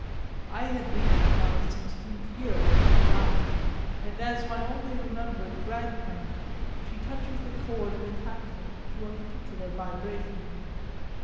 I had reached my sixteenth year when she died, and as my only remembered grandparent she touches the chord of attachment to a particular vibration.